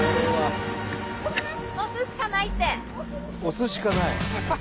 押すしかない？